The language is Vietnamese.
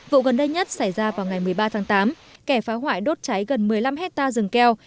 vụ gần đây nhất xảy ra vào ngày một mươi ba tháng tám kẻ phá hoại đốt cháy gần một mươi năm hectare rừng keo